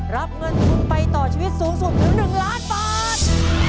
รับเงินทุนไปต่อชีวิตสูงสุดถึง๑ล้านบาท